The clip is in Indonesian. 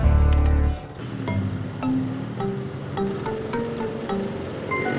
nggak ada apa apa